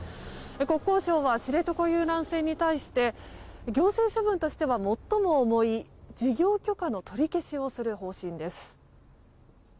国交省は知床遊覧船に対して行政処分としては最も重い事業許可の取り消しをする方針です。